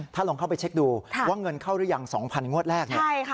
ถ้าลองเข้าไปเช็คดูว่าเงินเข้าหรือยังสองพันงวดแรกเนี่ยใช่ค่ะ